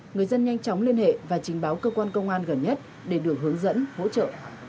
người dân nhanh chóng liên hệ và trình báo cơ quan công an gần nhất để được hướng dẫn hỗ trợ